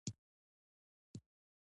سوله د پرمختګ لپاره مناسب چاپېریال جوړوي